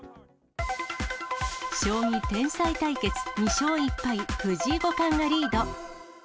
将棋天才対決２勝１敗、藤井五冠がリード。